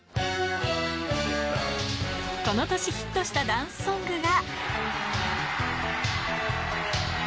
この年ヒットしたダンスソングが。